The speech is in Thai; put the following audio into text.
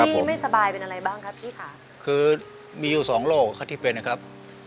พี่ไม่สบายเป็นอะไรบ้างครับพี่ค่ะคือมีอยู่สองโรคครับที่เป็นนะครับ